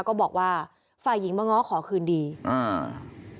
ก็บอกว่าฝ่ายหญิงมาง้อขอคืนดีอ่า